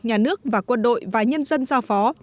nhà nước và quân đội và nhân dân giao phó